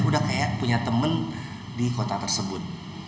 udah kayak punya temen di kota tersebut